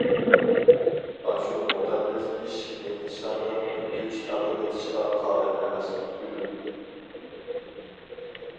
ئاشۇ مۇقەددەس ئىشىكنى ھېچقانداق بىر كۈچ تاقىۋېلىشقا قادىر ئەمەس، گۈلۈم!